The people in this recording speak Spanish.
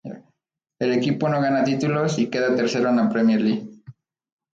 El equipo no gana títulos y queda tercero en la Premier League.